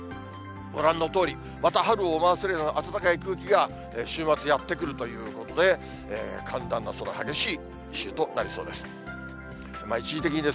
ご覧のとおり、また春を思わせるような暖かい空気が週末、やって来るということで、寒暖の差の激しい週となりそうです。